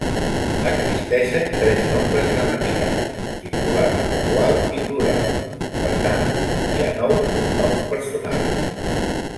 Existeixen tres nombres gramaticals: singular, dual i plural, per tant, hi ha nou pronoms personals.